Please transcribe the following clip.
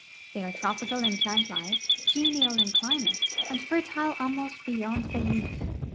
They are tropical in plant life, genial in climate, and fertile almost beyond belief.